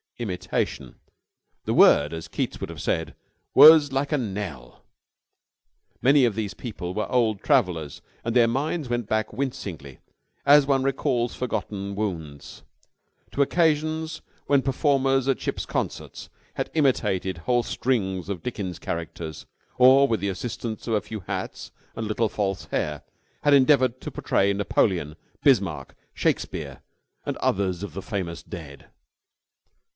Imitation...! The word, as Keats would have said, was like a knell! Many of these people were old travellers, and their minds went back wincingly, as one recalls forgotten wounds, to occasions when performers at ships' concerts had imitated whole strings of Dickens' characters or, with the assistance of a few hats and a little false hair, had endeavored to portray Napoleon, Bismarck, Shakespeare and others of the famous dead.